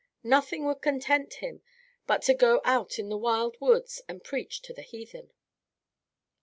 Nothing would content him but to go out into the wild woods and preach to the heathen.